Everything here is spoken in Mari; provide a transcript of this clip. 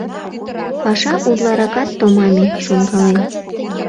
«Паша утларакат томаме, — шонкалем.